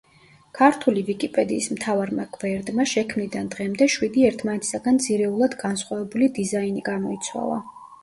ქართული ვიკიპედიის მთავარმა გვერდმა შექმნიდან დღემდე შვიდი ერთმანეთისაგან ძირეულად განსხვავებული დიზაინი გამოიცვალა.